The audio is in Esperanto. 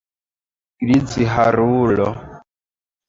Grizharulo!